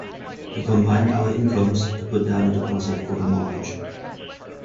We combined our incomes to put down a deposit for the mortgage.